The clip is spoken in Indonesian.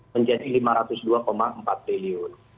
menjadi rp lima ratus dua empat triliun